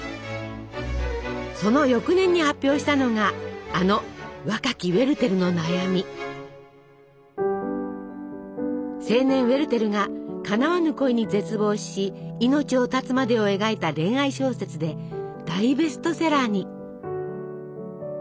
その翌年に発表したのがあの青年ウェルテルがかなわぬ恋に絶望し命を絶つまでを描いた恋愛小説で大ベストセラーに！